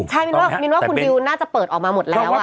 ใช่มินว่ามินว่าคุณดิวน่าจะเปิดออกมาหมดแล้ว